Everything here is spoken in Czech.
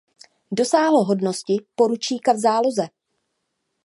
Dosáhl hodnosti poručíka v záloze.